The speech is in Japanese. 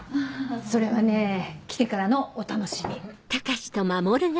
それはね来てからのお楽しみ。